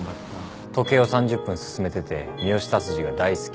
時計を３０分進めてて三好達治が大好き。